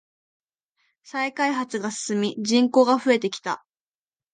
再開発が進み人口が増えてきた。